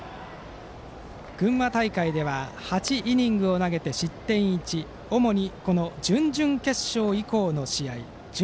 群馬大会では８イニングを投げて失点１。主に準々決勝以降の試合で投げています。